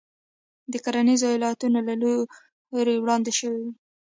د کرنیزو ایالتونو له لوري وړاندې شوې وې.